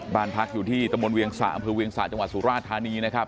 บ้านพักอยู่ที่ตมชาติเวียงส่าห์อเวียงส่าห์จังหวะศุราชธานีนะครับ